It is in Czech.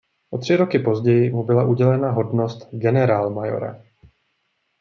O tři roky později mu byla udělena hodnost generálmajora.